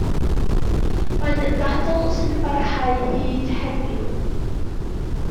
Mae'n ddadl sy'n parhau hyd heddiw.